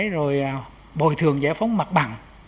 rồi bồi thường giải phóng mặt bằng